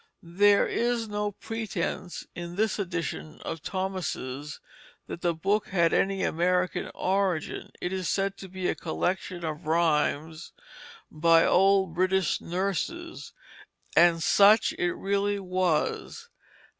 There is no pretence in this edition of Thomas' that the book had any American origin; it is said to be a collection of rhymes by "old British nurses"; and such it really was.